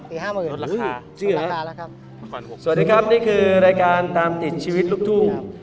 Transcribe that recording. อีก๕บาทเกิดเลยรถราคาแล้วครับสวัสดีครับนี่คือรายการตามติดชีวิตลูกทุ่ง